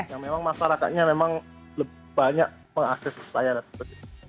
yang memang masyarakatnya memang banyak mengakses usaha dan seperti itu